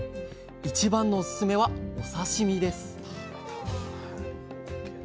一番のオススメはお刺身です！